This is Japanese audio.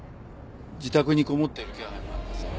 自宅にこもってる気配もありません。